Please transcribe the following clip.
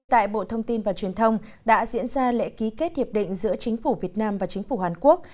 tại bộ thông tin và truyền thông đã diễn ra lễ ký kết hiệp định giữa chính phủ việt nam và chính phủ hàn quốc